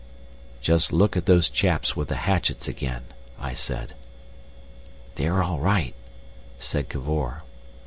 "Just look at those chaps with the hatchets again," I said. "They're all right," said Cavor.